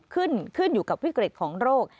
ขึ้นอยู่กับวิกฤตของโรค